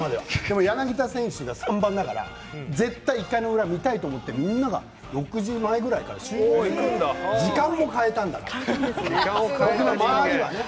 それまではでも柳田選手が３番だから絶対１回の裏見たいと思ってみんなが６時前ぐらいから集合して時間を変えたんだから周りがね。